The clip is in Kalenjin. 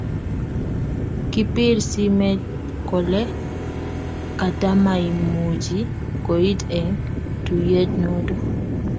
Kipir simet kole katamaimuchi koit eng tuiyet noto